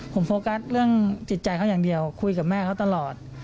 ผมโฟกัสเรื่องจิตใจเขาอย่างเดียวคุยกับแม่เขาตลอด